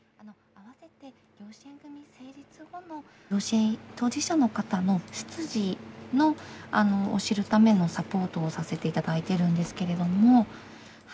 養子当事者の方の出自を知るためのサポートをさせて頂いているんですけれども。